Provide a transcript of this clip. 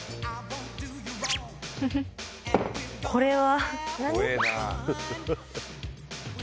これは？